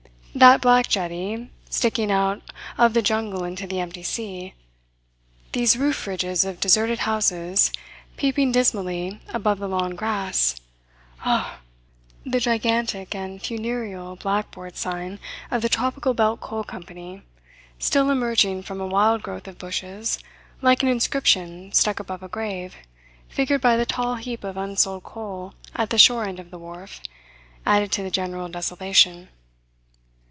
That black jetty, sticking out of the jungle into the empty sea; these roof ridges of deserted houses peeping dismally above the long grass! Ough! The gigantic and funereal blackboard sign of the Tropical Belt Coal Company, still emerging from a wild growth of bushes like an inscription stuck above a grave figured by the tall heap of unsold coal at the shore end of the wharf, added to the general desolation.